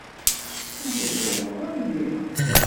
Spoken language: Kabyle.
Ur la zerrweɣ ara imir-a.